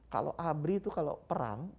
kalau abri itu kalau perang